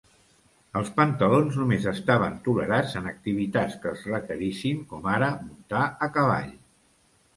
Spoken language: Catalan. Els pantalons només estaven tolerats en activitats que els requerissin, com ara muntar a cavall.